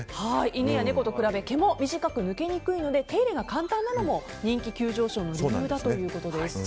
犬や猫と比べ毛も短く抜けにくいので手入れが簡単なのも人気急上昇の理由だということです。